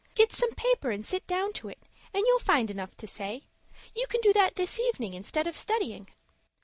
"Get some paper and sit down to it, and you'll find enough to say. You can do that this evening instead of studying."